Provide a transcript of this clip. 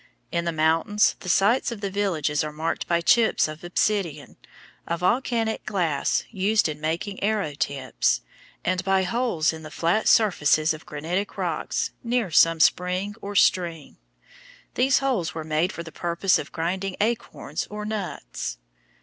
In the mountains the sites of the villages are marked by chips of obsidian (a volcanic glass used in making arrow tips) and by holes in the flat surfaces of granitic rocks near some spring or stream. These holes were made for the purpose of grinding acorns or nuts.